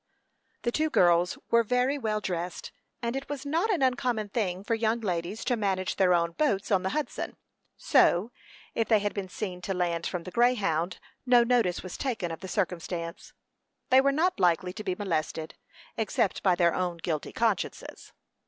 The two girls were very well dressed, and it was not an uncommon thing for young ladies to manage their own boats on the Hudson; so, if they had been seen to land from the Greyhound, no notice was taken of the circumstance. They were not likely to be molested, except by their own guilty consciences.